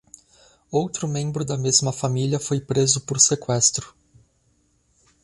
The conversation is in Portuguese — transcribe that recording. Outro membro da mesma família foi preso por seqüestro.